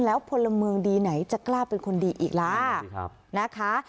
แล้วพลเมืองดีไหนจะกล้าเป็นคนดีอีกล่ะนะคะ